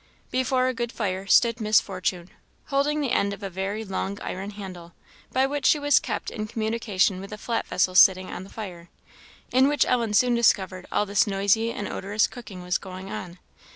Before a good fire stood Miss Fortune, holding the end of a very long iron handle, by which she was kept in communication with a flat vessel sitting on the fire, in which Ellen soon discovered all this noisy and odorous cooking was going on.